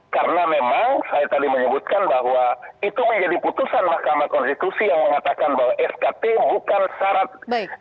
karena memang saya tadi menyebutkan bahwa itu menjadi putusan mahkamah konstitusi yang mengatakan bahwa skt bukan syarat